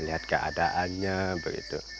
melihat keadaannya begitu